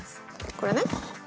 これね。